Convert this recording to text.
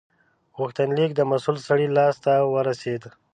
غوښتنلیک د مسول سړي لاس ته ورسید.